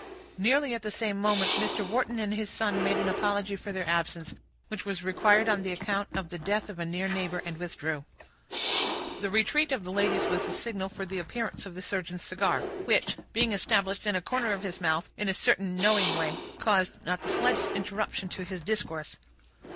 Nearly at the same moment, Mr. Wharton and his son made an apology for their absence, which was required on account of the death of a near neighbor, and withdrew. The retreat of the ladies was the signal for the appearance of the surgeon's cigar, which, being established in a corner of his mouth, in a certain knowing way, caused not the slightest interruption to his discourse.